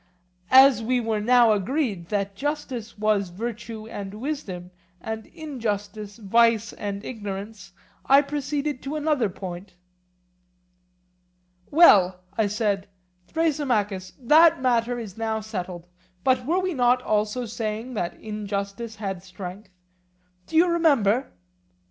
As we were now agreed that justice was virtue and wisdom, and injustice vice and ignorance, I proceeded to another point: Well, I said, Thrasymachus, that matter is now settled; but were we not also saying that injustice had strength; do you remember?